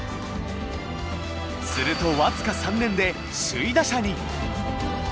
すると僅か３年で首位打者に。